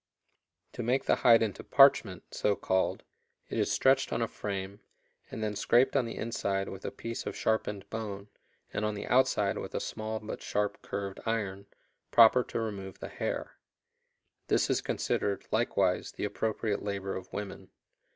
To make the hide into parchment (so called) it is stretched on a frame, and then scraped on the inside with a piece of sharpened bone and on the outside with a small but sharp curved iron, proper to remove the hair. This is considered, likewise, the appropriate labor of women.